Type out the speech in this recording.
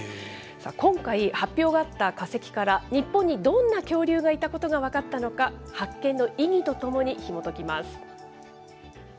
さあ、今回、発表があった化石から、日本にどんな恐竜がいたことが分かったのか、発見の意味とともにひもときます。